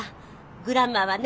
グランマはね